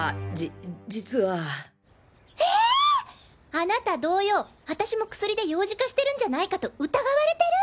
あなた同様私も薬で幼児化してるんじゃないかと疑われてる！？